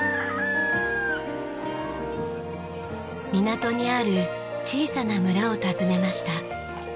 港にある小さな村を訪ねました。